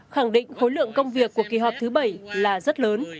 khẳng định khối lượng công việc của kỳ họp thứ bảy là rất lớn